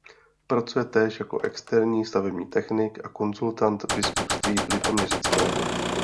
Pracuje též jako externí stavební technik a konzultant Biskupství litoměřického.